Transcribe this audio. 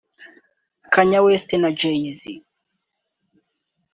Kanye West na Jay-Z